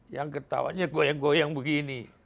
yang ketawanya goyang goyang begini